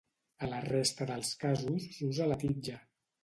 A la resta dels casos s'usa la titlla.